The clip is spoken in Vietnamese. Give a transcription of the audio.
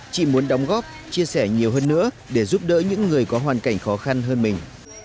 chị muốn đóng góp chia sẻ nhiều hơn nữa để giúp đỡ những người có hoàn cảnh khó khăn hơn mình